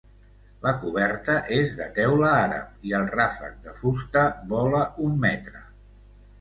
La coberta és de teula àrab i el ràfec de fusta vola un metre.